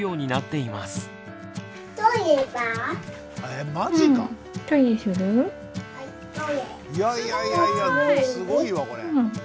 いやいやいやいやすごいわこれ。